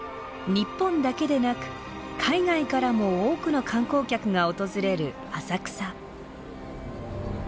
日本だけでなく海外からも多くの観光客が訪れる浅草。